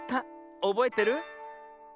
おぼえてる？え？